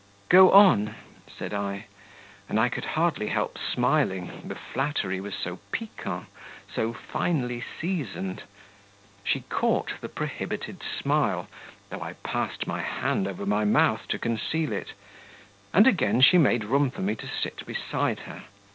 "Go on," said I; and I could hardly help smiling, the flattery was so piquant, so finely seasoned. She caught the prohibited smile, though I passed my hand over my month to conceal it; and again she made room for me to sit beside her.